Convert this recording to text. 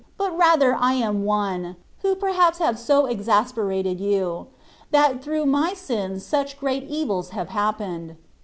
but rather I am one, who perhaps have so exasperated You, that through my sins such great evils have happened.